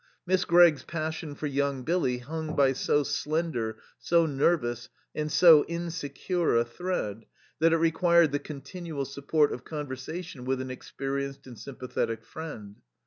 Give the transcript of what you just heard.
Miss Gregg's passion for young Billy hung by so slender, so nervous, and so insecure a thread that it required the continual support of conversation with an experienced and sympathetic friend.